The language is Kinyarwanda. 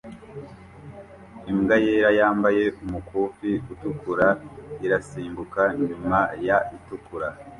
Imbwa yera yambaye umukufi utukura irasimbuka nyuma ya itukura